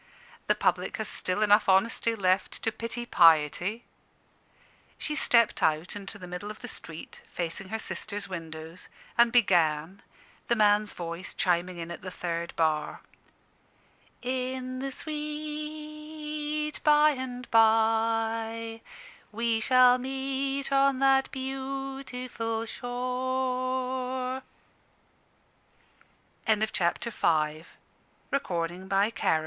The public has still enough honesty left to pity piety." She stepped out into the middle of the street, facing her sisters' windows, and began, the man's voice chiming in at the third bar "In the sweet by and bye We shall meet on that be yeautiful shore." ... PSYCHE. "_Among these million Suns how shall th